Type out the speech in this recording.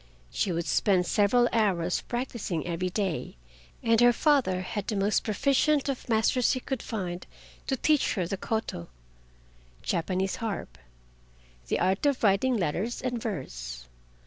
She would spend several hours practicing every day, and her father had the most proficient of masters he could find to teach her the koto (Japanese harp), the art of writing letters and verse.